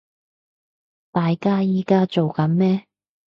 大家依家做緊咩